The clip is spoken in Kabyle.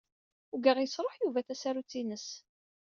Ugaɣ yesṛuḥ Yuba tasarut-ines.